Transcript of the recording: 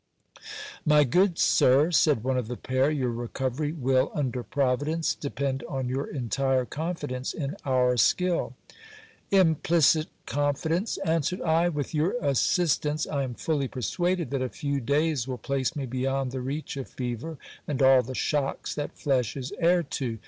My good sir, said one of the pair, your recovery will, under Providence, de pend on your entire confidence in our skill. Implicit confidence ! answered I : with your assistance, I am fully persuaded that a few days will place me beyond the reach of fever, and all the shocks that flesh is heir to.